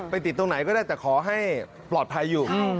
ติดตรงไหนก็ได้แต่ขอให้ปลอดภัยอยู่